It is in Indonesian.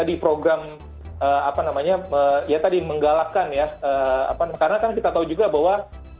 di program menggalakkan karena kita tahu juga bahwa